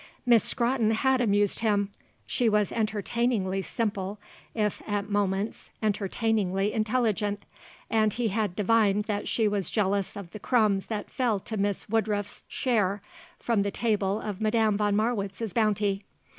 Miss Scrotton had amused him. She was entertainingly simple if at moments entertainingly intelligent, and he had divined that she was jealous of the crumbs that fell to Miss Woodruff's share from the table of Madame von Marwitz's bounty.